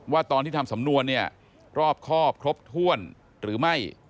ว่าตอนที่ทำสำนวนเนี่ยรอบครอบครบถ้วนหรือไม่